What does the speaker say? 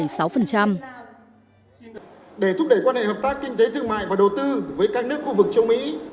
để thúc đẩy quan hệ hợp tác kinh tế thương mại và đầu tư với các nước khu vực châu mỹ